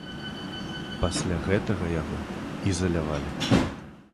Пасля гэтага яго ізалявалі.